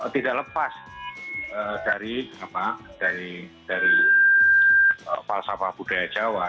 tidak lepas dari falsafah budaya jawa